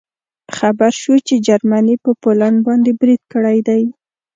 خبر شوو چې جرمني په پولنډ باندې برید کړی دی